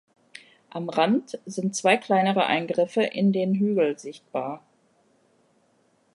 Am Rand sind zwei kleinere Eingriffe in den Hügel sichtbar.